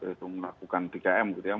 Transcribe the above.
yaitu melakukan tkm gitu ya